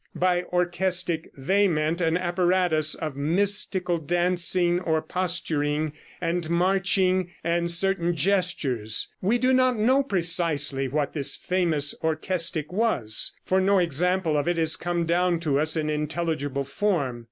By orchestic they meant an apparatus of mystical dancing or posturing and marching and certain gestures. We do not know precisely what this famous orchestic was, for no example of it has come down to us in intelligible form.